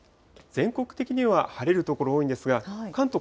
全国的には晴れる所多いんですが、関東